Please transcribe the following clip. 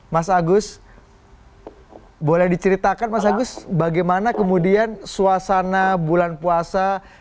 mas agus boleh diceritakan bagaimana kemudian suasana bulan puasa